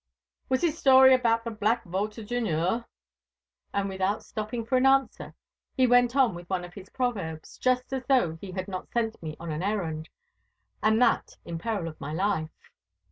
Was his story about the Black Vault of Dunure?' And without stopping for an answer he went on with one of his proverbs, just as though he had not sent me on an errand, and that in peril of my life.